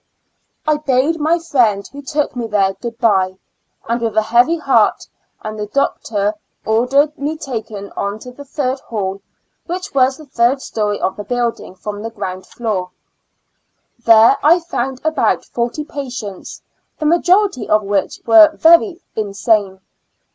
I bade my friend who took me there 42 ^wo Years and Four Months good bye, with a heavy heart, and the doc tor ordered me taken on to the tMrd hall, which was the third story of the building from the ground floor. There I found about forty patients, the majority of which were very insane.